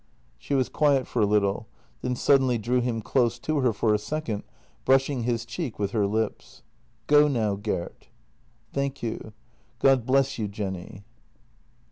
She was quiet for a little, then suddenly drew him close to her for a second, brushing his cheek with her lips. " Go now, Gert." " Thank you. God bless you, Jenny."